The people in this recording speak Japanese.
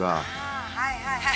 ☎あはいはいはい。